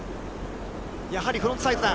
やはりフロントサイドだ。